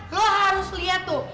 lo harus lihat tuh